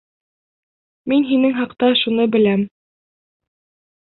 Мин һинең хаҡта шуны беләм.